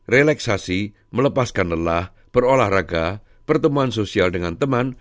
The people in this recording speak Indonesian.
relaksasi melepaskan lelah berolahraga pertemuan sosial dengan teman